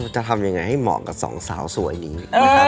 จะทำยังไงให้เหมาะกับสองสาวสวยนี้นะครับ